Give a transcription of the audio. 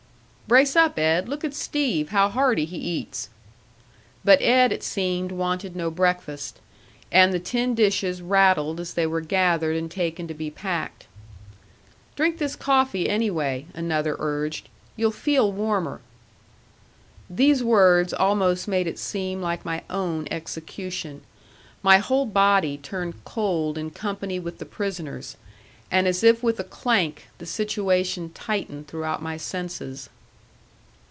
"Brace up, Ed. Look at Steve, how hardy he eats!" But Ed, it seemed, wanted no breakfast. And the tin dishes rattled as they were gathered and taken to be packed. "Drink this coffee, anyway," another urged; "you'll feel warmer." These words almost made it seem like my own execution. My whole body turned cold in company with the prisoner's, and as if with a clank the situation tightened throughout my senses.